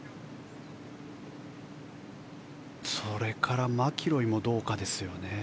それからマキロイもどうかですよね。